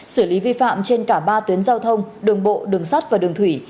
xử lý vi phạm trên cả ba tuyến giao thông đường bộ đường sắt và đường thủy